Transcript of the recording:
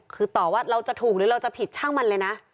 คือต่อว่าเราจะถูกหรือเราจะผิดช่างมันเลยนะ